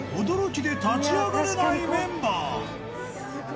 驚きで立ち上がれないメンバー。